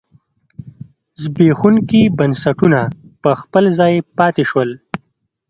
زبېښونکي بنسټونه په خپل ځای پاتې شول.